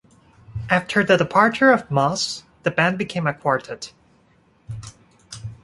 After the departure of Moss, the band became a quartet.